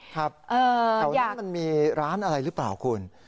แถวนั้นมันมีร้านอะไรหรือเปล่าคุณ